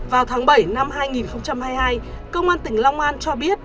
vào tháng bảy năm hai nghìn hai mươi hai công an tỉnh long an cho biết